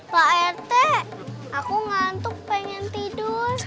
pak rt aku ngantuk pengen tidur